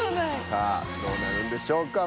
さあどうなるんでしょうか。